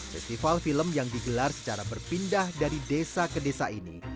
festival film yang digelar secara berpindah dari desa ke desa ini